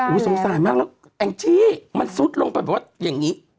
ส่วนใหญ่อะสงสารมากแล้วแอ้งจี้มันสุดลงไปแบบว่าอย่างนี้